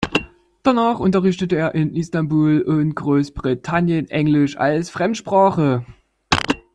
Danach unterrichtete er in Istanbul und Großbritannien Englisch als Fremdsprache.